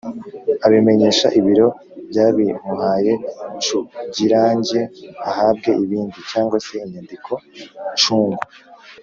abimenyesha ibiro byabimuhaye cugirange ahabwe ibindi cg se inyandiko ncungu